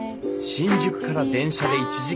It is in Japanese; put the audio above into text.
新宿から電車で１時間ちょっと。